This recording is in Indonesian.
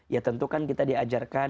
ya tentu kan kita diajarkan